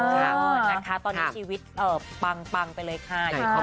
ตอนนี้ชีวิตปังไปเลยค่ะ